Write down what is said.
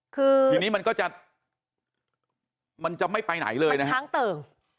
คือทีนี้มันก็จะมันจะไม่ไปไหนเลยนะฮะค้างเติ่ง